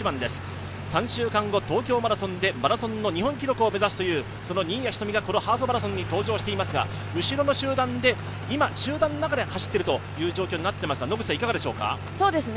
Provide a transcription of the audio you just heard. ３週間後、東京マラソンでマラソンの日本記録を目指すというその新谷仁美がハーフマラソンに登場していますが後ろの集団で集団の中で走っているという状況ですが、いかがですか？